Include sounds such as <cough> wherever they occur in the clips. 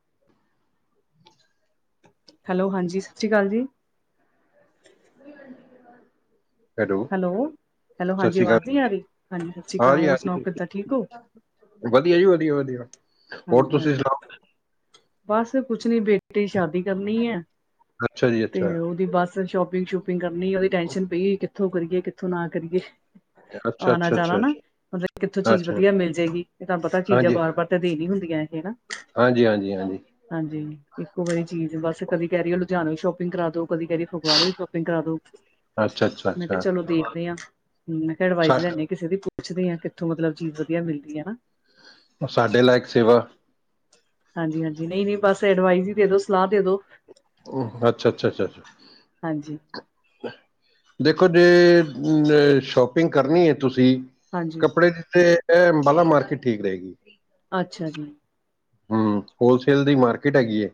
<inaudible> Hello. ਹਾਂਜੀ। ਸਤਿ ਸ਼੍ਰੀ ਅਕਾਲ ਜੀ। ਵੀ ਲਡੀ <inaudible> ਹੈਲੋ। ਹੈਲੋ ਸਤਿ ਹਾਂਜੀ ਸ਼੍ਰੀ ਅਕਾਲ। ਆਵਾਜ਼ ਨਹੀਂ ਆ <unintelligible> ਰਹੀ ਹਾਂਜੀ ਸਤਿ ਸ਼੍ਰੀ ਅਕਾਲ ਹੋਰ ਸੁਣਾਓ ਹਾਂਜੀ-ਹਾਂਜੀ ਕਿੱਦਾਂ ਠੀਕ ਹੋ ਵਧੀਆ ਜੀ। ਵਧੀਆ-ਵਧੀਆ। ਹਾਂਜੀ-ਹਾਂਜੀ। ਬਸ ਕੁਛ ਨੀ, ਬੇਟੀੇ ਸ਼ਾਦੀ ਕਰਨੀ ਹੈ। ਅੱਛਾ ਜੀ ਤੇ, ਅੱਛਾ ਉਹਦੀ ਬੱਸ ਸ਼ੋਪਿੰਗ- ਸ਼ੂਪਿੰਗ ਕਰਨੀ ਉਹਦੀ ਟੈਂਸ਼ਨ ਪਈ। ਕਿੱਥੋਂ ਕਰੀਏ, ਕਿੱਥੋਂ ਨਾ ਕਰੀਏ। ਅੱਛਾ ਆਉਣਾ- ਅੱਛਾ ਅੱਛਾ ਜਾਣਾ ਨਾ ਮਤਲਬ ਕਿੱਥੋਂ ਅੱਛਾ ਚੀਜ਼ ਅੱਛਾ ਵਧੀਆ, ਮਿਲ ਜਾਏਗੀ। ਇਹ ਤੁਹਾਨੂੰ, ਪਤਾ ਚੀਜ਼ਾਂ ਆ ਹਾਂਜੀ ਬਾਰ-ਬਾਰ ਤੇ ਦੇਨੀ ਹੁੰਦੀਆਂ ਇਹ ਹਨਾ। ਹਾਂਜੀ ਹਾਂਜੀ ਹਾਂਜੀ ਹਾਂਜੀ ਇੱਕੋ ਵਾਰੀੀ ਚੀਜ਼ ਬਸ ਕਦੀ ਕਹਿ ਰਹੀ ਹੋ ਲੁਧਿਆਣਾੋ ਸ਼ੋਪਿੰਗ ਕਰਾ ਦੋ ਕਦੀ ਕਹਿ ਰਹੀ ਗਵਾੜੇ ਸ਼ੋਪਿੰਗ ਕਰਾ ਦੋ ਅੱਛਾ ਅੱਛਾ ਮੈਂ ਕਿਹਾ ਅੱਛਾ ਚਲੋ ਦੇਖਦੇ ਹ ਮੈਂ ਕਿਹਾ ਅਡਵਾਈਸ ਸਾ ਲੈ ਲਾਇਏ ਕਿਸੇ ਦੀ ਪੁੱਛਦੇ ਹਾਂ ਕਿੱਥੋਂ ਮਤਲਬ ਚੀਜ਼ ਵਧੀਆ ਮਿਲਦੀ ਹੈਨਾ ਸਾਡੇ ਲਾਇਕ ਸੇਵਾ ਹਾਂਜੀ-ਹਾਂਜੀ, ਨਹੀਂ-ਨਹੀਂ, ਬਸ ਐਡਵਾਈਜ਼ ਹੀ ਦੇ ਦੋ। ਸਲਾਹ ਦੇ ਦੋ। ਅੱਛਾ-ਅੱਛਾ, ਅੱਛਾ। ਹਾਂਜੀ। ਦੇਖੋ, ਜੇ, ਅ ਸ਼ੋਪਿੰਗ ਕਰਨੀ ਹੈ, ਤੁਸੀਂ? ਹਾਂਜੀ ਕੱਪੜੇ ਦਿੱਤੇ ਏ, ਬਾਲਾ ਮਾਰਕੀਟ ਠੀਕ ਰਹੇਗੀ। ਅੱਛਾ ਜੀ। ਹਾਂ, ਹੋਲਸੇਲ ਦੀ ਮਾਰਕੀਟ ਹੈਗੀ ਹੈ।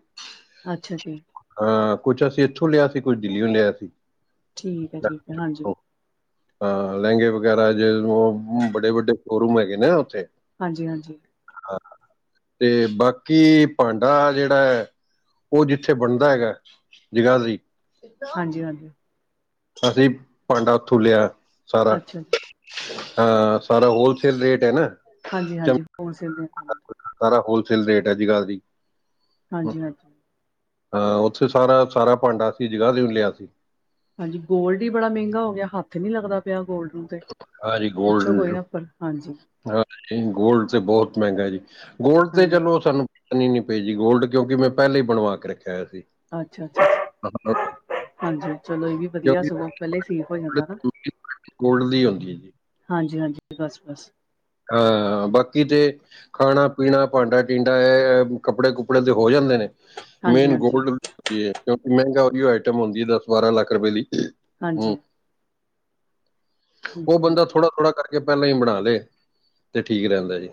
ਅੱਛਾ ਜੀ। ਹਾਂ, ਕੁੱਛ ਅਸੀਂ ਇੱਥੋਂ ਲਿਆ ਸੀ। ਕੁਝ ਦਿੱਲੀਓ ਲਿਆ ਸੀ। ਠੀਕ ਹੈ-ਠੀਕ ਹੈ ਹਾਂਜੀ। ਹਾਂ ਲਹਿੰਗੇ ਵਗੈਰਾ ਜੇ ਉਹ ਵੱਡੇ ਵੱਡੇ ਸ਼ੋਰੂਮ ਹੈਗੇ ਨੇ ਉੱਥੇ ਹਾਂਜੀ ਹਾਂਜੀ ਤੇ ਬਾਕੀ ਭਾਂਡਾ ਜਿਹੜਾ ਹੈ ਉਹ ਜਿੱਥੇ ਬਣਦਾ ਹੈਗਾ ਜਗਾਧਰੀ ਹਾਂਜੀ ਹਾਂਜੀ ਅਸੀਂ ਭਾਂਡਾ ਉਥੋਂ ਲਿਆ ਸਾਰਾ ਅੱਛਾ ਜੀ ਹਾਂ ਸਾਰਾ ਹੋਲਸੇਲ ਰੇਟ ਹੈ ਨਾ ਹਾਂਜੀ ਚਮ ਹਾਂਜੀ ਹੋਰ ਸੇਲ ਦੀਆਂ ਦੁਕਾਨਾਂ ਸਾਰਾ ਹੋਲਸੇਲ ਰੇਟ ਹੈ ਜਗਾਦਰੀ। ਹਾਂਜੀ ਹਾਂਜੀ ਹਾਂ ਉੱਥੇ ਸਾਰਾ ਸਾਰਾ ਭਾਂਡਾ ਅਸੀ ਜਗਾਦਰੀਓ ਲਿਆ ਸੀ। ਹਾਂਜੀ ਗੋਲਡ ਹੀ ਬੜਾ ਮਹਿੰਗਾ ਹੋ ਗਿਆ ਹੱਥ ਨੀ ਲੱਗਦਾ ਪਿਆ ਗੋਲਡ ਨੂੰ। ਤੇ ਹਾਜੀ ਪੁੱਛੋ ਗੋਲਡ ਕੋਈ ਨਾ ਪਰ ਹਾਂਜੀ ਗੋਲਡ ਤੇ ਬਹੁਤ ਮਹਿੰਗਾ ਜੀ ਗੋਲਡ ਤੇ ਹਾਂਜੀ ਚਲੋ ਸਾਨੂੰ ਨੀ ਨੀ ਪੇਜੀ ਗੋਲਡ ਕਿਉਂਕਿ ਮੈਂ ਪਹਿਲਾਂ ਹੀ ਬਣਵਾ ਕੇ ਰੱਖਿਆ ਹੋਇਆ ਸੀ। ਅੱਛਾ ਹਾਂ, ਅੱਛਾ ਹਾਂਜੀ। ਚਲੋ ਇਹ ਵੀ ਵਧੀਆ ਕਿਉਂਕਿ ਸਗੋਂ ਪਹਿਲੇ ਸਲੀਪ ਹੋ ਜਾਂਦਾ ਨਾ। ਗੋਲਡ ਦੀ ਹੁੰਦੀ ਹੈ ਜੀ ਹਾਂਜੀ ਹਾਂਜੀ, ਬਸ ਬਸ। ਹਾਂ, ਬਾਕੀ ਤੇ ਖਾਣਾ ਪੀਣਾ ਭਾਂਡਾ ਟੀਂਡਾ ਇਹ ਕੱਪੜੇ ਕੁਪੜੇ ਤੇ ਹੋ ਜਾਂਦੇ ਨੇ ਹਾਂਜੀ ਮੇਨ ਹਾਂਜੀ ਗੋਲਡ ਕਿਉਂਕਿ ਮਹਿੰਗਾ ਆਈਟਮ ਹੁੰਦੀ ਹੈ ਦਸ ਬਾਰਾਂ ਲੱਖ ਰੁਪਏ ਦੀ ਹਮ ਹਾਂਜੀ ਹਮ ਉਹ ਹਮ ਬੰਦਾ ਥੋੜਾ ਥੋੜਾ ਕਰਕੇ ਪਹਿਲਾਂ ਹੀ ਬਣਾ ਲੈ ਤੇ ਠੀਕ ਰਹਿੰਦਾ ਜੀ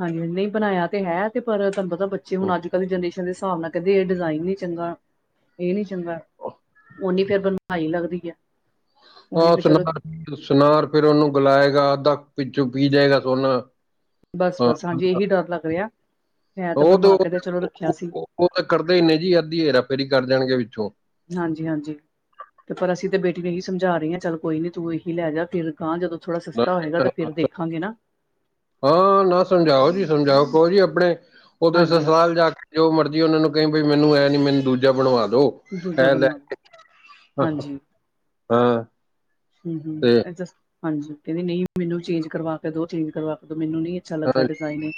ਹਾਂਜੀ ਨਹੀਂ ਬਣਾਇਆ ਤੇ ਹੈ ਤੇ ਪਰ ਤੁਹਾਨੂੰ ਪਤਾ ਬੱਚੇ ਹੂੰ ਹੁਣ ਅੱਜ ਕੱਲ੍ਹ ਦੀ ਜਨਰੇਸ਼ਨ ਦੇ ਹਿਸਾਬ ਨਾਲ ਕਹਿੰਦੇ ਇਹ ਡਿਜ਼ਾਇਨ ਨੀ ਚੰਗਾ ਇਹ ਨੀ ਚੰਗਾ ਉਹ ਨ ਫੇਰ ਬਣਵਾਈ ਲੱਗਦੀ ਹੈ ਓਨੀ ਹਹ ਫਿਰ ਚਲੋ ਸੁਨਾਰ ਸੁਨਾਰ ਫੇਿਰ ਉਹਨੂੰ ਗੁਲਾਏਗਾ ਅੱਧਾ ਪਿੱਛੋਂ ਪੀ ਜਾਏਗਾ ਸੋਨਾ ਬਸ ਹਾਂ ਬਸ ਹਾਂਜੀ ਇਹੀ ਡਰ ਲੱਗ ਰਿਹਾ, ਮੈਂ ਤਾਂ ਉਹ ਬਣਵਾ ਉਹ ਕੇ ਤੇ ਚਲੋ ਰੱਖਿਆ ਉਹ ਸੀ। ਉਹ- ਉਹ ਤਾਂ ਕਰਦੇ ਹੀ ਨੇੇ ਜੀ ਅੱਧੀ ਹੇਰਾ ਪੇਰੀ ਕਰ ਜਾਣਗੇ ਵਿੱਚੋਂ ਹਾਂਜੀ ਹਾਂਜੀ ਤੇ ਪਰ ਅਸੀਂ ਤੇ ਬੇਟੀ ਨੂੰ ਇਹੀ ਸਮਝਾ ਰਹੇ ਹਾਂ ਚੱਲ ਕੋਈ ਨੀ ਤੂੰ ਇਹੀ ਲੈ ਜਾ ਫਿਰ ਹਾਂ ਜਦੋਂ ਥੋੜਾ ਸਸਤਾ ਹੋਏਗਾ ਤਾਂ ਫੇਰ ਦੇਖਾਂਗੇ ਨਾ ਹਾਂ ਨਾ ਸਮਝਾਓ ਜੀ ਸਮਝਾਓ ਕੋਹੋ ਜੀ ਆਪਣੇ ਉਹਦੇ ਹਾਂਜੀ ਸਸਾਲ ਜਾ ਕੇ ਜੋ ਮਰਜ਼ੀ ਉਹਨਾ ਨੂੰ ਕਿ ਬਈ ਮੈਨੂੰ ੲੈ ਨੀ ਮੈਨੂੰ ਦੂਜਾ ਬਣਵਾ ਦੋ। ਦੂਜਾ ਹੈ ਲੈ ਬਣਵਾ ਲਓ। ਹਾਂ ਹਮ ਤੇ ਹਮ ਹਾਂਜੀ, ਕਹਿੰਦੀ ਨਹੀਂ ਮੈਨੂੰ ਚੇਂਜ ਕਰਵਾ ਕੇ ਦੋ, ਚੇਂਜ ਕਰਵਾ ਕੇ ਦੋ ਮੈਨੂੰ ਨਹੀਂ ਅੱਛਾ ਲੱਗਾ ਡਿਜ਼ਾਈਨ ਏ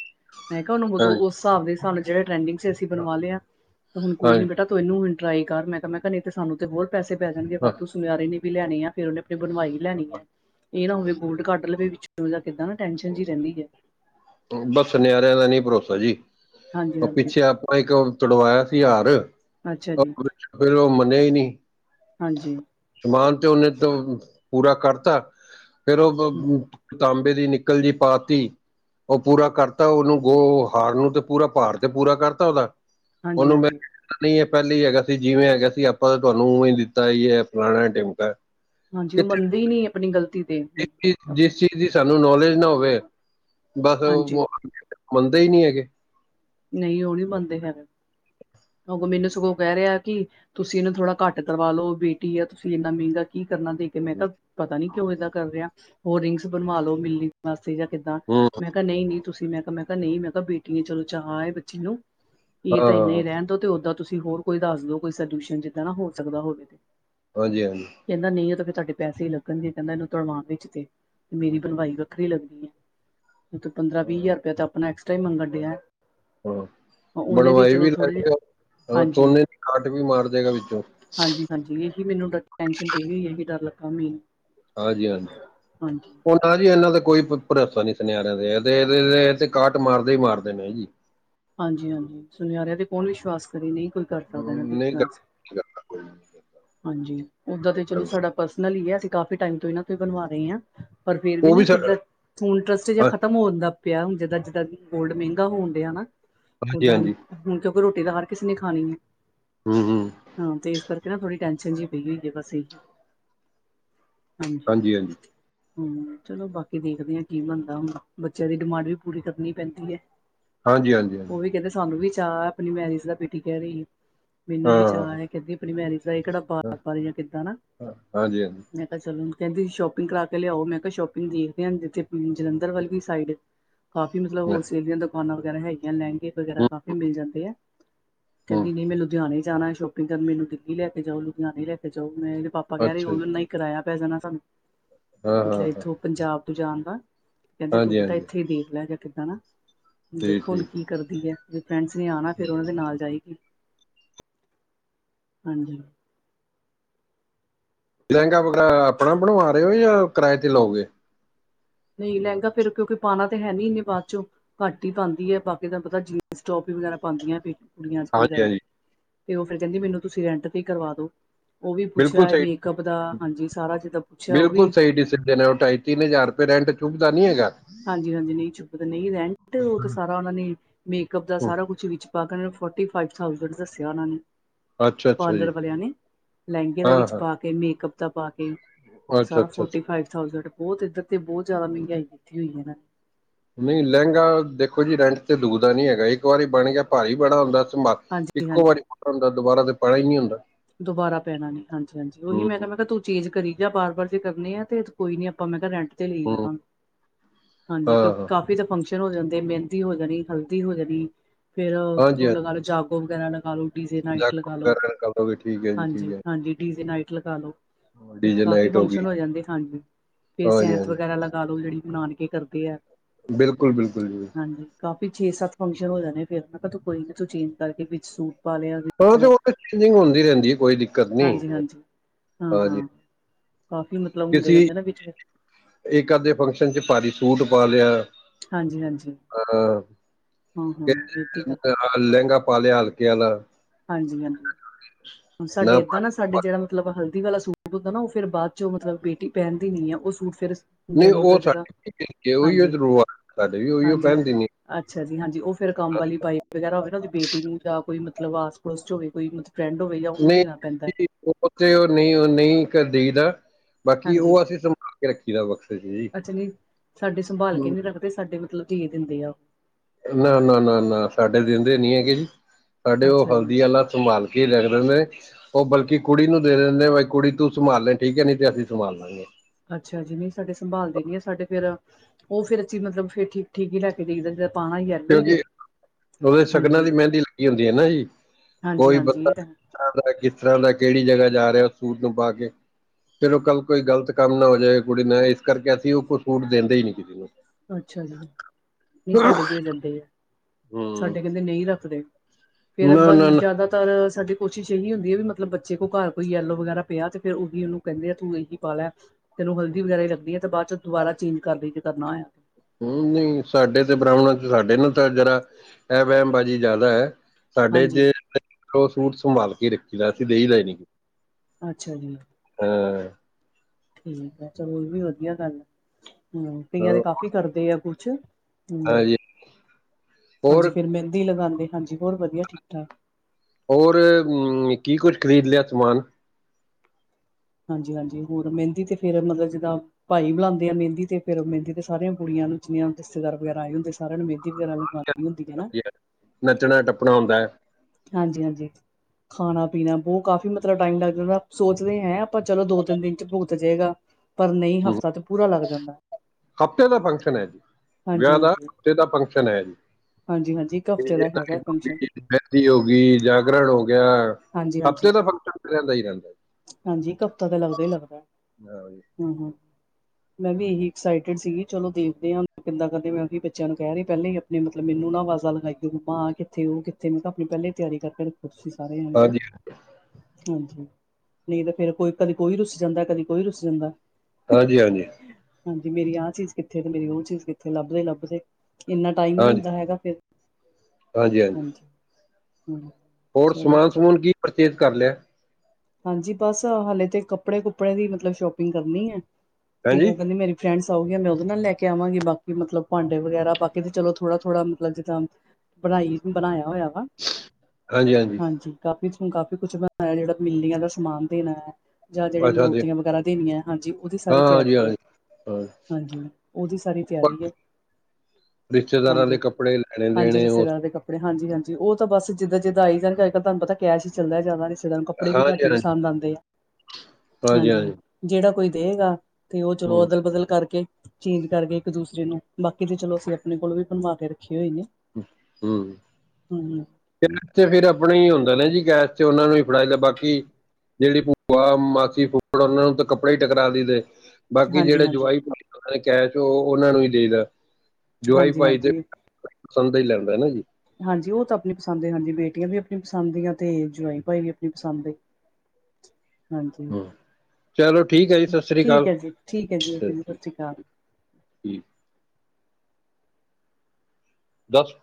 ਮੈਂ ਕਿਹਾ, ਉਹਨੂੰ ਉਦੋ ਹਾਂਜੀ ਉਸ ਹਿਸਾਬ ਦੇ ਹਿਸਾਬ ਨਾਲ ਜਿਹੜੇ ਟਰੈਂਡਿੰਗ ਸੀ ਅਸੀਂ ਬਣਵਾ ਲਿਆ ਤੇ ਹੁਣ ਕੋਈ ਨੀ ਹਾਂਜੀ ਬੇਟਾ। ਤੂੰ ਇਹਨੂੰ ਟਰਾਈ ਕਰ ਮੈਂ ਕਿਹਾ ਮੈਂ ਕਿਹਾ ਨਹੀਂ ਤੇ ਸਾਨੂੰ ਤੇ ਬੋਤ ਪੈਸੇ ਪੈ ਜਾਣਗੇ, ਹਾਂ ਵਾਦੂ ਸੁਨਿਆਰੇ ਨੇ ਵੀ ਲੈਣੇ ਆ ਫਿਰ ਉਹਨੇ ਬਣਵਾਈ ਲੈਣੀ ਹੈ ਇਹ ਨਾ ਹੋਵੇ ਗੋਲਡ ਕਢ ਲਵੇ ਵਿੱਚ ਕਿੱਦਾਂ ਨਾ ਟੈਸ਼ਨ ਜਿਹੀ ਰਹਿੰਦੀ ਹੈ। ਬਸ ਸਨਿਆਰਿਆਂ ਦਾ ਨੀ ਭਰੋਸਾ ਜੀ ਉਹ ਹਾਂਜੀ-ਹਾਂਜੀ ਪਿੱਛੇ ਆਪ ਇੱਕ ਤੜਵਾਇਆ ਸੀ ਹਾਰ ਅੱਛਾ ਜੀ ਫਿਰ ਉਹ ਮੰਨਿਆ ਹੀ ਨਹੀਂ ਹਾਂਜੀ। ਸਮਾਨ ਤੇ ਉਹਨੇ ਤੋ ਪੂਰਾ ਕਰਤਾ ਫੇਰ ਹਾਂਜੀ-ਹਾਂਜੀ। ਉਹ ਤਾਂਬੇ ਦੀ ਨਿਕਲ ਜੀ ਪਾਤੀ ਉਹ ਪੂਰਾ ਕਰਤਾ ਉਹਨੂੰ ਗੋ ਹਾਰ ਨੂੰ ਤੇ ਪੂਰਾ ਭਾਰ ਤੇ ਪੂਰਾ ਕਰਤਾ ਉਹਦਾ ਹਾਂਜੀ ਉਹਨੂੰ ਮੇ ਹਾਂਜੀ ਨਹੀਂ ਇਹ ਪਹਿਲਾਂ ਹੀ ਹੈਗਾ ਸੀ ਜਿਵੇਂ ਹੈਗਾ ਸੀ ਆਪਾਂ ਤੁਹਾਨੂੰ ਉਵੇ ਦਿੱਤਾ ਐ ਯੇ ਐ ਫਲਾਨਾ ਟਿਮਕਾ ਹਾਂਜੀ, ਉਹ ਮੰਨਦੀ ਨੀ ਆਪਣੀ ਗ਼ਲਤੀ ਤੇ ਹੂੰ, ਜਿਸ ਚੀਜ਼ ਦੀ ਸਾਨੂੰ ਨੌਲੇਜ ਨਾ ਹੋਵੇ, ਬਸ ਹਾਂਜੀ ਮੰਨਦੇ ਈ ਨੀ ਹੈਗੇ ਨਹੀਂ ਉਹ ਨੀ ਮੰਨਦੇ ਹੈਗੇ, ਉਹ ਅਗੋ ਮੈਨੂੰ ਸਗੋਂ ਕਹਿ ਰਿਹਾ ਕਿ ਤੁਸੀਂ ਇਹਨੂੰ ਥੋੜਾ ਘੱਟ ਕਰਵਾ ਲਓ ਬੇਟੀ ਆ ਤੁਸੀਂ ਇੰਨਾ ਮਹਿੰਗਾ ਕੀ ਕਰਨਾ ਦੇ ਕੇ, ਮੈਂ ਕਾ ਪਤਾ ਨੀ ਕਿਉਂ ਏਦਾਂ ਕਰ ਰਿਹਾ, ਹੋਰ ਰਿੰਗਸ ਬਣਵਾ ਲੋ ਮਿਲਨੀ ਮਾਸੀ ਜਾ ਕਿੱਦਾਂ ਹੂੰ ਮੈਂ ਕਿਹਾ ਨਹੀਂ ਜੀ ਨਹੀਂ ਤੁਸੀਂ ਮੈਂ ਕਿਹਾ ਮੈਂ ਕਿਹਾ ਨਹੀਂ ਮੈਂ ਕਿਹਾ ਬੇਟੀ ਚਲੋ ਚਾਅ ਹੈ ਬੱਚੀ ਨੂੰ ਇਹ ਹਾਂ ਤਾਂ ਇੰਨੇ ਹੀ ਰਹਿਣ। ਤੇ ਓਦਾਂ ਤੁਸੀਂ ਹੋਰ ਕੋਈ ਦੱਸ ਦੋ ਕੋਈ ਸਲਿਊਸ਼ਨ ਜਿੱਦਾਂ ਨਾ ਹੋ ਸਕਦਾ ਹੋਵੇ। ਹਾਂਜੀ-ਹਾਂਜੀ। ਕਹਿੰਦਾ ਨਹੀਂ ਉਹ ਤਾਂ ਫਿਰ ਤੁਹਾਡੇ ਪੈਸੇ ਹੀ ਲੱਗਣਗੇ ਕਹਿੰਦਾ ਇਹਨੂੰ ਤੜਵਾਨ ਵਿੱਚ ਤੇ। ਮੇਰੀ ਬਣਵਾਈ ਵੱਖਰੀ ਲੱਗਨੀ ਐ, ਪੰਦਰਾਂ- ਵੀਹ ਹਜ਼ਾਰ ਰੁਪਇਆ ਤਾਂ ਆਪਣਾ ਐਕਸਟਰਾ ਹੀ ਮੰਗਣ ਡਿਆ। ਹਾਂ, ਉਹਨੇ ਦੀ ਬਣਵਾਈ ਚਲੋ ਵੀ ਲੈ ਥੋੜੇ ਜਿਹੇ ਜਾਏਗਾ, ਹਾਂ ਹਾਂਜੀ ਸੋਨੇ ਦੀ ਕਾਟ ਵੀ ਮਾਰਦੇਗਾ ਵਿੱਚੋਂ। ਹਾਂਜੀ-ਹਾਂਜੀ, ਇਹੀ ਮੈਨੂੰ ਡਰ ਟੈਸ਼ਨ ਪਈ ਇਹੀ ਡਰ ਲੱਗਾ ਮੀ ਹਾਂਜੀ-ਹਾਂਜੀ। ਹੁਨ ਜੀ ਇਹਨਾਂ ਦਾ ਕੋਈ ਭਰੋਸਾ ਨੀ ਸੁਨਿਆਰਿਆਂ ਦੇ ਤੇ ਇਹਦੇ ਤੇ ਕਾਟ ਮਾਰਦੇ ਹੀ-ਮਾਰਦੇ ਨੇ ਜੀ। ਹਾਂਜੀ-ਹਾਂਜੀ, ਸੁਨਿਆਰਿਆਂ ਤੇ ਕੌਣ ਵਿਸ਼ਵਾਸ ਕਰੇ ਨਹੀਂ ਕੋਈ ਕਰ ਸਕਦਾ, ਇਹਨਾਂ ਤੇ ਹੂੰ, ਨਹੀਂ ਵਿਸ਼ਵਾਸ। ਕਰਦਾ ਕਰਦਾ ਕੋਈ ਨਹੀਂ ਹਾਂਜੀ, ਓਦਾਂ ਤੇ ਚਲੋ ਕਰਦਾ। ਸਾਡਾ ਪਰਸਨਲ ਹੀ ਹੈ ਅਸੀਂ ਕਾਫ਼ੀ ਟਾਈਮ ਤੋਂ ਇਹਨਾਂ ਤੋਂ ਹੀ ਬਣਵਾ ਰਹੇ ਹਾਂ। ਪਰ ਫੇਰ ਵੀ ਉਹ ਨਾ ਸਾ- ਜਦ ਹੁਣ ਟਰੱਸਟ ਜਿਹਾ ਹਾਂ- ਖਤਮ ਹੋਨਦਾ ਪਿਆ, ਹੁਣ ਜਿੱਦਾਂ-ਜਿੱਦਾਂ ਗੋਲਡ ਮਹਿੰਗਾ ਹੋਣ ਡਿਆ ਨਾ। ਹਾਂਜੀ ਉਦਾ, ਹਾਂਜੀ ਹੁਣ ਕਿਉਂਕਿ ਰੋਟੀ ਦਾ ਹਰ ਕਿਸੇ ਨੇ ਖਾਣੀ ਹੈ। ਹੂੰ-ਹੂੰ। ਹਾਂ, ਤੇ ਇਸ ਕਰਕੇ ਨਾ ਥੋੜ੍ਹੀ ਟੈਂਨਸ਼ਨ ਜਿਹੀ ਪਈ ਹੋਈ ਹੈ, ਬਸ ਇਹੀ ਹਾਂਜੀ ਹਾਂਜੀ ਹਾਂਜੀ-ਹੂੰ, ਚਲੋ ਬਾਕੀ ਦੇਖਦੇ ਹਾਂ ਕੀ ਬਣਦਾ ਹੁੰਦਾ। ਬੱਚਿਆਂ ਦੀ ਡਿਮਾਂਡ ਵੀ ਪੂਰੀ ਕਰਨੀ ਪੈਂਦੀ ਹੈ। ਹਾਂਜੀ-ਹਾਂਜੀ। ਉਹ ਕਹਿੰਦੇ ਸਾਨੂੰ ਵੀ ਚਾਅ ਆਪਣੀ ਮੈਰਿਜ ਦਾ ਬੇਟੀ ਕਹਿ ਰਹੀ ਏ, ਮੈਨੂੰ ਵੀ ਹਾਂ, ਚਾਅ ਏ ਕਹਿੰਦੀ ਆਪਣੀ ਮੈਰਿਜ ਤਾ ਇਹ ਕਿਹੜਾ ਪਾ ਹਾਂ, ਪਰ ਜਾ ਕਿੱਦਾਂ ਨਾ? ਹਾਂ, ਹਾਂਜੀ, ਹਾਂਜੀ। ਮੈਂ ਕਿਹਾ ਚਲੋ ਕਹਿੰਦੀ ਸ਼ੋਪਿੰਗ ਕਰਾਕੇ ਲਿਆਓ, ਮੈਂ ਕਿਹਾ ਸ਼ੋਪਿੰਗ ਦੇਖਦੇ ਆ ਜਿੱਥੇ ਜਲੰਧਰ ਵੱਲ ਵੀ ਸਾਈਡ। <inaudible> ਕਾਫੀ ਮਤਲਬ ਹਾਂ, ਹੋਲਸੇਲ ਦੀਆਂ ਦੁਕਾਨਾਂ ਹੈਗੀਆਂ। ਗਿਫਟ ਵਗੈਰਾ ਹੂੰ, ਕਾਫੀ ਮਿਲ ਜਾਂਦੇ ਹੈ, ਹੂੰ, ਕਹਿੰਦੀ ਨਹੀਂ ਮੈਂ ਲੁਧਿਆਣੇ ਜਾਣਾ ਸ਼ੋਪਿੰਗ ਕਰਨ ਮੈਨੂੰ ਦਿੱਲੀ ਲੈ ਜਾਓ, ਲੁੱਧਿਆਣੇ ਧਿਆਣੇ ਲੈ ਕੇ ਜਾਓ ਮੈਂ ਉਦੇ ਪਾਪਾ ਕਹਿ ਰਹੇ ਹੋ ਅੱਛਾ ਉਹ ਜੀ। ਵੀ ਉਹਨਾਂ ਹੀ ਕਿਰਾਇਆ ਪੈ ਜਾਣਾ, ਸਾਨੂੰ ਹਾਂ, ਮਤਲਬ ਹਾਂ, ਹਾਂ। ਇੱਥੋਂ ਪੰਜਾਬ ਤੋਂ ਜਾਣ ਦਾ ਕਹਿੰਦੇ ਤੂੰ ਹਾਂਜੀ, ਹਾਂਜੀ। ਇੱਥੇ ਦੇਖ ਲਿਆ ਜਾਂ ਕਿੱਦਾਂ ਨਾ਼ ਠੀਕ, ਦੇਖੋ ਹੁਣ ਕੀ ਠੀਕ, ਕਰਦੀ ਹੈ, ਫਰੈਂਡਸ ਨੇ ਆਣਾ ਫਿਰ ਠੀਕ। ਉਹਨਾਂ ਦੇ ਨਾਲ ਜਾਏਗੀ। ਹਾਂਜੀ। ਲਹਿੰਗਾ-ਵਗੈਰਾ ਆਪਣਾ ਬਣਵਾ ਰਹੇ ਹੋ, ਜਾਂ ਕਿਰਾਏ ਤੇ ਲਓਗੇ। ਨਹੀਂ, ਲਹਿੰਗਾ ਫੇਰ ਕਿਉਂਕਿ ਪਾਣਾ ਤੇ ਹੈਨੀ ਇਨੇ ਬਾਅਦ ਚੋਂ। ਘੱਟ ਹੀ ਪਾਦੀ ਹੈ, ਬਾਕੀ ਤੈਨੂੰ ਪਤਾ ਜੀਨਸ ਟੋਪ ਹੀ ਵਗੈਰਾ ਪਾਉਦੀਆਂ। ਕੁੜੀਆਂ ਅੱਜ-ਕੱਲ ਹਾਂਜੀ, ਜ਼ਿਆਦਾ ਹਾਂਜੀ। ਤੇ ਉਹ ਫਿਰ ਕਹਿੰਦੀ ਮੈਨੂੰ ਤੁਸੀਂ ਰੈਂਟ ਤੇ ਹੀ ਕਰਵਾ ਦੋ। ਉਹ ਵੀ ਬਿਲਕੁਲ ਪੁੱਛਿਆ ਸਹੀ, ਮੇਕਅਪ ਦਾ ਹਾਂਜੀ, ਸਾਰਾ ਜਿੱਦਾਂ ਪੁੱਛਿਆ ਉਹ ਵੀ ਸੀ ਜਨ ਉਹ ਟਾਈ ਤਿੰਨ ਹਜ਼ਾਰ ਰੁਪਏ ਰੈਂਟ ਚੁੱਭਦਾ ਨੀ ਹੈਗਾ। ਹਾਂਜੀ-ਹਾਂਜੀ, ਨਹੀਂ ਚੁੱਪ ਤਾਂ ਨਹੀਂ ਰਹਿਣ ਉਹ ਤਾਂ ਸ ਉਹ ਨੇ ਮੇਕਅਪ ਦਾ ਹੂੰ, ਸਾਰਾ ਕੁਛ ਵਿੱਚ ਪਾ ਕੇ ਫੋਰਟੀ ਫਵਥਡ ਦੱਸਿਆ ਉਹਨਾਂ ਨੇ ਅੱਛਾ, ਅੱਛਾ ਜੀ। ਪਾਰਲਰ ਵਾਲਿਆਂ ਨੇ ਲਹਿੰਗੇ ਦਾ ਹਾਂ, ਵਿੱਚ ਹਾਂ। ਪਾ ਕੇ ਮੇਕਅਪ ਦਾ ਪਾ ਕੇ, ਅੱਛਾ, ਸਾਰਾ ਅੱਛਾ, ਫੋਰਟੀ ਅੱਛਾ। ਫਾਈਵ ਥਾਓਜੇਡ, ਬਹੁਤ ਇਧਰ ਤੇ ਬਹੁਤ ਜ਼ਿਆਦਾ ਮਹਿੰਗਾਈ। ਹੋਗੀ ਐ। ਨਹੀਂ, ਲਹਿੰਗਾ ਦੇਖੋ ਜੀ, ਰੈਂਟ ਤੇ ਦੁਖਦਾ ਨੀ ਹੈਗਾ ਇੱਕ ਵਾਰੀ ਬਣ ਗਿਆ ਭਾਰੀ ਬੜਾ ਹੁੰਦਾ। ਹਾਂਜੀ ਇੱਕੋ ਹਾਂਜੀ ਵਾਰੀ ਹੁੰਦਾ ਦੁਬਾਰਾ ਤੇ ਪੜ੍ਹਾ ਹੀ ਨੀ ਹੁੰਦਾ। ਦੁਬਾਰਾ ਪੈਣਾ ਨੇ ਹਾਂਜੀ-ਹਾਂਜੀ, ਉਹੀ ਹੂੰ, ਮੈਂ ਕਿਹਾ ਮੈਂ ਕਿਹਾ ਤੂੰ ਚੇਂਜ ਕਰੀ ਜਾ ਬਾਰ-ਥਾਰ ਜੇ ਕਰਨੇ ਆ ਤੇ ਕੋਈ ਨੀ ਆਪਾਂ ਮੈਂ ਕਿਹਾ ਰੈਂਟ ਹੂੰ। ਹਾਂਜੀ ਹਾਂ, ਕਿਉਂਕਿ ਹਾਂ। ਕਾਫੀ ਤਾਂ ਫੰਕਸ਼ਨ ਹੋ ਜਾਂਦੇ ਮਹਿੰਦੀ ਹੋ ਜਾਣੀ ਹਲਦੀ ਹੋ ਜਾਣੀ ਫੇਰ ਹਾਂਜੀ, ਉਹ ਲਗਾ ਜਾਗੂ ਵਗੈਰਾ ਲਗਾ ਲੋ ਡੀਜ਼ੇ ਨਾਈਟ ਲਗਾ ਲੋ, ਕ ਤੋਂਗੇ ਠੀਕ ਹੈ, ਜੀ, ਠੀਕ ਹੈ। ਹਾਂਜੀ-ਹਾਂਜੀ ਡੀਜ਼ੇ ਨਾਈਟ ਲਗਾ ਲੋ, ਤੇ ਡੀਜੇ ਕਾਫੀ ਨਾਈਟ ਗਈ ਫੰਕਸ਼ਨ ਹੋ ਜਾਂਦੇ, ਹਾਂਜੀ ਫ ਹਾਂਜੀ ਸੈਂਤ ਹਾਂਜੀ ਵਗੈਰਾ ਲਗਾ ਲੋ ਜਿਹੜੀ ਬਨਾਨ ਕੇ, ਕਰਦੇ ਆ। ਬਿਲਕੁਲ-ਬਿਲਕੁਲ ਜੀ, ਹਾਂਜੀ ਕਾਫੀ ਛੇ ਸੱਤ ਫੰਕਸ਼ਨ ਹੋ ਜਾਣੇ, ਫੇਰ ਨਾ ਕਿਹਾ ਤੂੰ ਕੋਈ ਨਾ ਤੂੰ ਚੇਂਜ ਕਰਕੇ ਵਿੱਚ ਸੂਟ ਪਾ ਲਿਆ। ਹਾਂ ਵਿੱਚ ਤੇ ਉਹ ਚੇਂਿੰਗ ਹੁੰਦੀ ਰਹਿੰਦੀ ਹੈ ਕੋਈ ਹਾਂਜੀ ਨਹੀਂ ਹਾਂਜੀ ਹਾਂ ਹਾਂਜੀ ਹਾਂ ਕਾਫੀ ਮਤਲਬ ਹੁੰਦੇ ਕਿਸੀ ਰਹਿੰਦੇ ਨਾ ਵਿੱਚ ਫ ਇੱਕ ਅੱਧੇ ਫੰਕਸ਼ਨ ਚ ਭਾਰੀ ਸੂਟ ਪਾ ਲਿਆ‌ ਹਾਂਜੀ ਹਾਂਜੀ ਹਾਂ ਹਮ ਹਮ ਇਹਥੇ ਕ ਲਹਿੰਗਾ ਪਾ ਲਿਆ ਹਲਕਿਆਂ ਨਾਲ ਹਾਂਜੀ ਹਾਂਜੀ ਹ ਹੁਣ ਸਾਡੇ ਇਏਦਾਂ ਨਾ ਸਾਡੇ ਜਿਹੜਾ ਮਤਲਬ ਹਲਦੀ ਵਾਲਾ ਸੂਟ ਹੁੰਦਾ ਨਾ ਉਹ ਫਿਰਰ ਬਾਅਦ ਚੋਂ ਮਤਲਬ ਬੇਟੀ ਪਹਿਨਦੀ ਨੀ ਆ ਉਹ ਸੂਟ ਫਿਰ ਨਹੀਂ ਉਹ ਮਤਲਬ ਸਾ ਜਿੱਦਾਂ ਹਾਂਜੀ, ਉਹੀਓ ਸਾਡੇ ਵੀ ਉਹੀਓ ਹਾਂਜੀ-ਹਾਂਜੀ। ਪਹਿਨਦੀ ਨ ਅੱਛਾ ਜੀ ਹਾਂਜੀ ਉਹ ਫੇਿਰ ਕੰਮ ਵਾਲੀ ਬਾਈ ਵਗੈਰਾ ਹੋਵੇ ਨਾ ਉਹਦੀ ਬੇਟੀ ਨੂੰ ਜਾਂ ਕੋਈ ਮਤਲਬ ਆਸ ਪੜੋਸ ਚ ਹੋਵੇ ਕੋਈ ਮਤਲਬ ਫੈਂਡ ਨਹੀਂ ਉਹ ਤੇ ਉਹ ਨਹੀਂ ਉਹ ਨਹੀਂ ਦੇਦਾ। ਬਾਕੀ ਹਾਂਜੀ, ਉਹ ਅਸੀਂ ਸੰਭਾਲ ਕੇ ਰੱਖੀ ਦਾ ਬਕਸ ਚ ਜੀ, ਅੱਛਾ ਨਹੀਂ ਸਾਡੇ ਸੰਭਾਲ ਕੇ ਨੀ ਰੱਖਦੇ ਸਾਡੇ ਮਤਲਬ ਦਿੰਦੇ ਆ। ਨਾ-ਨਾ-ਨਾ-ਨਾ, ਸਾਡੇ ਦਿੰਦੇ ਨੀ ਹੈਗੇ, ਜੀ ਸਾਡੇ ਉਹ ਅੱਛਾ ਜੀ, ਹਲਦੀ ਵਾਲਾ ਸੰਭਾਲ ਕੀ ਲੱਗਦਾ ਉਹ ਉਹ ਬਲਕਿ ਕੁੜੀ ਨੂੰ ਦੇ ਦਿੰਦੇ ਬਾਈ ਕੁੜੀ ਤੂੰ ਸੰਭਾਲ ਲੇ ਠੀਕ ਹੈ, ਨੀ ਤੇ ਅਸੀਂ ਸੰਭਾਲ ਲਾਂਗੇ। ਅੱਛਾ ਜਿਵੇ ਸਾਡੇ ਸੰਭਾਲਦੇ ਨੀ ਆ ਸਾਡੇ ਫੇਿਰ ਉਹ ਫੇਿਰਸੀਂਤਲਬ ਫੇ ਠੀਕ ਠੀਕ ਲਕੇ ਦੇਈਦਾ ਜਿੱਦ ਪਾਣਾ ਹੀ ਹੈ ਕਿਉਂਕਿ ਉਹਦੇ ਸ਼ਗਨਾਂ ਦੀ ਮਹਿੰਦੀ ਲੱਗੀ ਹੁੰਦੀ ਹੈ ਨਾ ਜੀ ਕੋਈ ਹਾਂਜੀ-ਹਾਂਜੀ ਬੰਦਾ ਇਹ ਤਾਂ ਕਿਸ ਹੈ। ਤਰ੍ਹਾਂ ਦਾ ਕਿਸ ਤਰ੍ਹਾਂ ਦਾ ਕਿਹੜੀ ਜਗ੍ਹਾ ਜਾ ਰਿਹਾ ਉਸ ਸੂਟ ਨੂੰ ਪਾ ਕੇ ਫੇਰ ਉਹ ਕੱਲ ਕੋਈ ਗਲਤ ਕੰਮ ਨਾ ਹੋ ਜਾਵੇ ਕੁੜੀ ਨਾਲ ਇਸ ਕਰਕੇ ਅਸੀਂ ਉਹ ਕੋਈ ਸੂਟ ਦਿੰਦੇ ਹੀ ਨਹੀਂੀ ਕਿਸੇ ਨੂੰ ਅੱਛਾ ਜੀ ਨਹੀਂ ਸਾਡੇ ਦੇ ਜਾਂਦੇ ਹੈ ਹਮ ਸਾਡੇ ਕਹਿੰਦੇ ਨਹੀਂ ਰੱਖਦੇ ਫਿਰ ਨਾ ਬ ਨਾ ਨਾ ਜ਼ਿਆਦਾ ਪਰ ਸਾਡੀ ਕੋਸ਼ਿਸ਼ ਇਹੀ ਹੁੰਦੀ ਹੈ ਵੀ ਮਤਲਬ ਬੱਚੇ ਕੋਲ ਘਰ ਕੋਈ ਯੈਲੋ ਵਗੈਰਾ ਪਿਆ ਤੇ ਫਿਰ ਉਹ ਵੀ ਉਹਨੂੰ ਕਹਿੰਦੇ ਆ ਤੂੰ ਇਹੀ ਪਾ ਲੈ ਤੈਨੂੰ ਹਲਦੀ ਵਗੈਰਾ ਹੀ ਲੱਗਦੀ ਹੈ ਤੇ ਬਾਅਦ ਚ ਦੁਬਾਰਾ ਚੇਂਜ ਕਰ ਲਈ ਕਰਨਾ ਹੋਇਆ ਨਹੀਂ ਸਾਡੇ ਤੇ ਬ੍ਰਾਹਮਣਾਂ ਚ ਸਾਡੇ ਨਾ ਤਾਂ ਜ਼ਰਾ ਇਹ ਵਹਿਮਬਾਜ਼ੀ ਜ਼ਿਆਦਾ ਹੈ ਸਾਡੇ ਹਾਂਜੀ, ਜ ਉਹ ਸੂਟ ਸੰਭਾਲ ਕੇ ਰੱਖੀ ਦਾ ਅਸੀਂ ਦੇਈ ਦਾ ਹੀ ਨੀ ਅੱਛਾ ਜੀ। ਹਾਂ ਠੀਕ ਆ ਚਲੋ ਇਹ ਵੀ ਵਧੀਆ ਗੱਲ ਹੂੰ ਕਈਆਂ ਤੇ ਹਾਂ ਕਾਫ਼ੀ ਕਰਦੇ ਆ ਕੁਛ ਹਮ ਹਾਂਜੀ ਹੋਰ ਹਾਂਜੀ ਫੇਿਰ ਮਹਿੰਦੀ ਲਗਾਉਂਦੇ ਹਾਂਜੀ ਹੋਰ ਵਧੀਆ ਠੀਕ ਠਾਕ ਔਰ ਕੀ ਕੁਝ ਖਰੀਦ ਲਿਆ ਸਮਾਨ ਹਾਂਜੀ ਹਾਂਜੀ ਹੋਰ ਮਹਿੰਦੀ ਤੇ ਫੇਰ ਮਤਲਬ ਜਿੱਦਾਂ ਭਾਈ ਬੁਲਾਉਂਦੇ ਆ ਮਹਿੰ ਤੇੇਿਰ ਮਹਿੰ ਤੇ ਸਾਰੀਆਂ ਕੁੜੀਆਂ ਨੂੰ ਜਿਨ ਰਿਸ਼ਤੇਦਾਰਗੈ ਆਏੁੰਦੇ ਸਿਆਂ ਨੂੰ ਮਹਿੰ ਵਗੈਰਾ ਲਗਵਾਉਦੇ ਮ ਯ ਨੱਚਣਾ ਟੱਪਣਾ ਹੁੰਦਾ ਹੈ ਹਾਂਜੀ ਹਾਂਜੀ ਖਾਣਾ ਪੀਣਾ ਬਹੁਤ ਕਾਫੀ ਮਤਲਬ ਟਾਈਮ ਲੱਗਦਾ ਸੋਚਦੇ ਹੈ ਆਪਾਂ ਚਲੋ ਦੋ ਤਿੰਨ ਦਿਨ ਚ ਭੁਗਤ ਜੇਗਾ ਪਰ ਨਹੀਂ ਹੂੰ ਹਫ਼ਤਾ ਤਾਂ ਪੂਰਾ ਲੱਗ ਜਾਂਦਾ ਹਫ਼ਤੇ ਦਾ ਫੰਕਸ਼ਨ ਹੈ ਜੀ ਹਾਂਜੀ ਵਿਆਹ ਦਾ ਹਾਂਜੀ ਹਫ਼ਤੇ ਦਾ ਫੰਕਸ਼ਨ ਹੈ ਜੀ ਹਾਂਜੀ ਹਾਂਜੀ ਇੱਕ ਹਫ਼ਤੇ ਦਾ ਹੈਗਾ ਫਕ <unintelligible> ਹੋ ਗਈ ਜਾਗਰਣ ਹੋ ਗਿਆ ਹਾਂਜੀ ਹਫ਼ਤੇ ਹਾਂਜੀ ਦਾ ਫੰਕਸ਼ਨ ਰਹਿੰਦਾ ਹੀ ਰਹਿੰਦਾ <unintelligible> ਹਾਂਜੀ ਇੱਕ ਹਫਤਾ ਤਾਂ ਲੱਗਦਾ ਈ ਲੱਗਦਾ ਜੀ ਹੂੰ ਹੂੰ ਮੈਂ ਵੀ ਇਹੀ ਐਕਸਾਈਟਿਡ ਸੀਗੀ ਚਲੋ ਦੇਖਦੇ ਹਾਂ ਕਿੱਦਾਂ ਕਰਦੇ ਮ ਬੱਚਿਆਂ ਨੂੰ ਕਹਿ ਰਹੀ ਪਹਿਲਾਂ ਈ ਨੇ ਮਤਲਬ ਮੈਨੂੰ ਨਾ ਆਵਾਜ਼ਾਂ ਲਗਾਈਾਂ ਕਿੱਥ ਉਹ ਕਿੱਥੇ ਮਲ ਆਪਣੀ ਪਹਿਲੇ ਤਿਆਰੀ ਕਰਕੇ ਰੱਖੋ ਤੁਸੀਂ ਸਾਰੇਆਂ ਹਾਂਜੀ। ਹਾਂਜੀ, ਨਈ ਤਾਂ ਫੇਰ ਕੋਈ ਕਦੀ ਕੋਈ ਰੁੱਸ ਜਾਂਦਾ ਕਦੀ ਕੋਈ ਰੁੱਸ ਜਾਂਦਾ ਹਾਂਜੀ, ਹਾਂਜੀ। ਹਾਂਜੀ, ਮੇਰੀ ਆ ਚੀਜ਼ ਕਿੱਥੇ ਤੇ ਮੇਰੀ ਓ ਚੀਜ਼ ਕਿੱਥੇ ਲੱਬਦੇ, ਲੱਭਦੇ ਇੰਨਾ ਟਾਈਮ ਨੀ ਹਾਂਜੀ ਹਾਂਜੀ ਹੁੰਦਾ ਹੈਗਾ ਫੇਰ <unintelligible> ਹਾਂਜੀ, ਹੂੰ। ਹੋਰ ਚਲੋ ਸਮਾਨ-ਸੂਮੂਨ ਕੀ ਪਰਚੇਜ਼ ਕਰ ਲੇਆ? ਹਾਂਜੀ, ਬਸ ਹਾਲੇ ਤੇ ਕੱਪੜੇ-ਕੁਪੜੇ ਆਂਦੀ ਮਤਲਬ ਸ਼ੋਪਿੰਗ ਕਰਨੀ ਐ, ਤੇ ਹਾਂਜੀ ਓ ਕੈਂਦੀ ਮੇਰੀ ਫ੍ਰੈਂਡਸ ਆਊਗੀਆਂ ਮੈਂ ਓਦੇ ਨਾਲ ਲੈ ਕੇ ਆਵਾਂਗੀ ਬਾਕੀ ਮਤਲਬ ਭਾਂਡੇ ਵਗੈਰਾ ਬਾਕੀ ਤੇ ਚਲੋ ਥੋੜਾ, ਥੋੜਾ ਮਤਲਬ ਜਿੱਦਾਂ ਬਣਾਈ, ਬਣਾਏਆ ਹੋਏਆ ਵਾ। ਹਾਂਜੀ। ਕਾਫੀ ਚ ਹੁਨ ਕਾਫੀ ਕੁਛ ਬਨਾਏਆ ਜੇੜਾ ਮਿਲਨੀਆਂ ਦਾ ਸਮਾਨ ਦੇਣਾ ਐ। ਜਾਂ ਜੇੜੀਆਂ ਅੱਛਾ ਜੀ ਮਨੂਤੀਆਂ ਵਗੈਰਾ ਦੇਨੀਆਂ ਐ ਹਾਂਜੀ, ਓਦੀ ਹਾਂ ਸਾਰੀ ਹਾਂਜੀ ਤਿਆਰੀ ਐ। ਹਾਂਜੀ ਹਾਂ ਹਾਂਜੀ, ਓਦੀ ਸਾਰੀ ਤਿਆਰੀ ਐ। ਰਿਸ਼ਤੇਦਾਰਾਂ ਦੇ ਕੱਪੜੇ ਹਾਂਜੀ ਲੈਣੇ-ਦੇਣੇ ਰਿਸ਼ਤੇਦਾਰ ਦੇ <unintelligible> ਕੱਪੜੇ ਹਾਂਜੀ, ਹਾਂਜੀ ਓ ਤਾਂ ਬੱਸ ਜਿਦਾਂ, ਜਿਦਾ ਆਈ ਜਾਨ ਗੇ ਅਜ-ਕੱਲ ਤੁਆਨੂੰ ਪਤਾ ਕੈਸ਼ ਈ ਚੱਲਦਾ ਜਾਂਦਾ ਕੀਸੇ ਕੱਪੜੇ ਵੀ ਘੱਟ ਈ ਹਾਂਜੀ ਹਾਂਜੀ ਪਸੰਦ ਆਂਦੇ ਆ, ਹਾਂਜੀ। ਜਿਹੜਾ ਕੋਈ ਦੇਵੇਗਾ ਤੇ ਉਹ ਚਲੋ ਹੂੰ ਅਦਲ ਬਦਲ ਕਰਕੇ ਚੇਂਜ ਕਰਕੇ ਇੱਕ ਦੂਸਰੇ ਨੂੰ ਬਾਕੀ ਤੇ ਚਲੋ ਅਸੀਂ ਆਪਣੇ ਕੋਲ ਵੀ ਬਣਵਾ ਕੇ ਰੱਖੇ ਹੋਏ ਨੇ ਹੂੰ ਹੂੰ ਫਿਰ ਆਪਣੇ ਹੀ ਹੁੰਦਾ ਨਾ ਜੀ ਗੈਸ ਤੇ ਉਹਨਾਂ ਨੂੰ ਹੀ ਫੜਾਈਦਾ ਬਾਕੀ ਜਿਹੜੀ ਭੂਆ ਮਾਸੀ ਫੂਫੜ ਉਹਨਾਂ ਨੂੰ ਤਾਂ ਕੱਪੜੇ ਹੀ ਟਕਰਾ ਦੇ ਦੇ ਬਾਕੀ ਹਾਂਜੀ ਜਿਹੜੇ ਹਾਂਜੀ ਜਵਾਈ ਭਾਈ ਨੇ ਕੈਸ਼ ਉਹ ਉਹਨਾਂ ਨੂੰ ਹੀ ਦੇ ਦਾ ਜਵਾਈ ਹਾਂਜੀ ਭਾਈ ਤੇ ਹਾਂਜੀ ਪਸੰਦ ਦੇ ਈ ਲੈਂਦਾ ਹੈਾ ਜੀ ਹਾਂਜੀ, ਓ ਤਾਂ ਅਪਨੀ ਪਸੰਦ ਦੇ, ਹਾਂਜੀ ਬੇਟੀਆਂ ਵੀ ਆਪਨੀ ਪਸੰਦ ਦੀਆਂ ਤੇ ਜਵਾਈਂ ਭਾਈ ਵੀ ਆਪਨੀ ਪਸੰਦ ਦੇ। <inaudible> ਹਾਂਜੀ ਹੂੰ, ਚਲੋ ਠੀਕ ਏ ਜੀ ਸ ਸ੍ਰੀ ਠੀਕ ਕਾਲ। ਹੈ ਜੀ ਠੀਕ ਹੈ ਜੀ ਓਕੇ ਜੀ ਸਤਿ ਸ਼੍ਰੀ ਅਕਾਲ ਦਸ